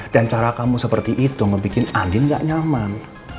dan cara kamu seperti itu ngebikin andin gak nyaman